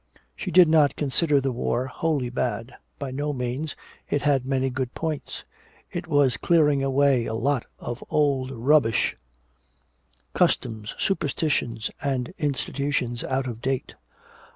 She did not consider the war wholly bad by no means, it had many good points. It was clearing away a lot of old rubbish, customs, superstitions and institutions out of date.